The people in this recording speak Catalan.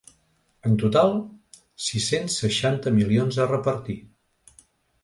En total, sis-cents seixanta milions a repartir.